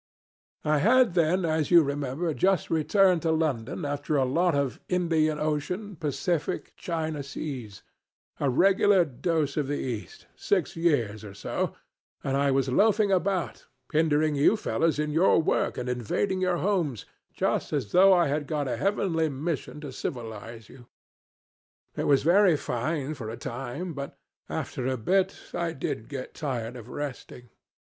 "I had then, as you remember, just returned to London after a lot of Indian Ocean, Pacific, China Seas a regular dose of the East six years or so, and I was loafing about, hindering you fellows in your work and invading your homes, just as though I had got a heavenly mission to civilize you. It was very fine for a time, but after a bit I did get tired of resting.